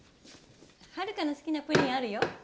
ハルカの好きなプリンあるよ。